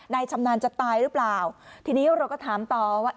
ชำนาญจะตายหรือเปล่าทีนี้เราก็ถามต่อว่า